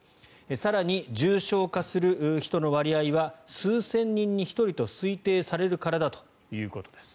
更に、重症化する人の割合は数千人に１人の割合だと推定されるからだということです。